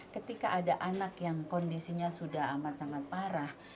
ketika ada anak yang kondisinya sudah amat sangat parah